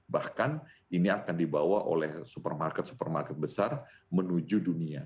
bahkan ini akan dibawa oleh supermarket supermarket besar menuju dunia